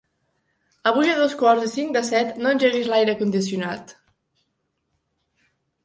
Avui a dos quarts i cinc de set no engeguis l'aire condicionat.